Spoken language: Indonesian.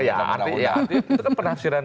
ya artinya itu kan penasaran